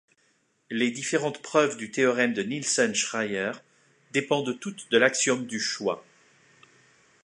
Les différentes preuves du théorème de Nielsen-Schreier dépendent toutes de l'axiome du choix.